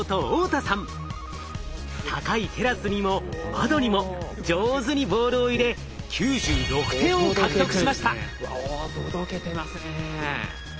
高いテラスにも窓にも上手にボールを入れ９６点を獲得しました。